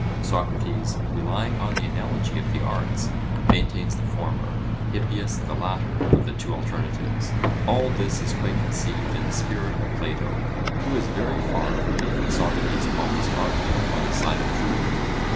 Socrates, relying on the analogy of the arts, maintains the former, Hippias the latter of the two alternatives...All this is quite conceived in the spirit of Plato, who is very far from making Socrates always argue on the side of truth.